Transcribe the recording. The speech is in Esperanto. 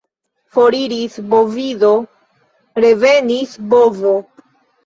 Foriris bovido, revenis bovo.